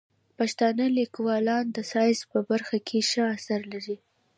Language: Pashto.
پښتانه لیکوالان د ساینس په برخه کې ښه اثار لري.